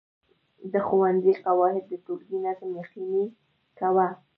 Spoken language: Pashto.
د ښوونځي قواعد د ټولګي نظم یقیني کاوه.